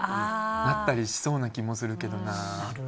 なったりしそうな気もするけどな。